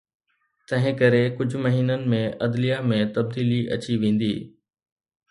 تنهن ڪري ڪجهه مهينن ۾ عدليه ۾ تبديلي اچي ويندي.